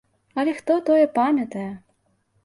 Але хто тое памятае!